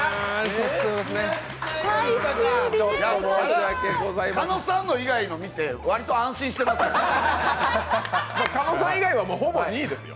狩野さんの以外の見て、割と安心してますよ。